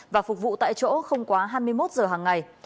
và phục vụ tại chỗ không quá hai mươi một giờ hàng ngày